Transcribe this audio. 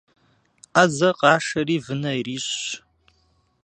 Ӏэзэ къашэри вынэ ирищӀщ.